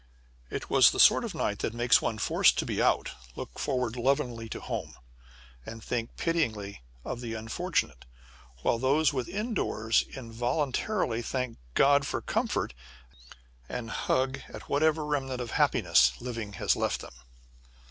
It was the sort of night that makes one forced to be out look forward lovingly to home, and think pityingly of the unfortunate, while those within doors involuntarily thank God for comfort, and hug at whatever remnant of happiness living has left them.